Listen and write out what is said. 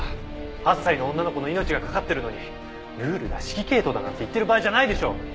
８歳の女の子の命がかかってるのにルールだ指揮系統だなんて言ってる場合じゃないでしょ！